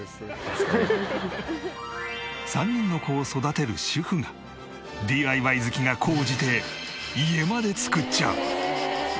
３人の子を育てる主婦がＤＩＹ好きが高じて家まで造っちゃう。